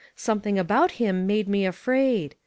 Something about him made me afraid.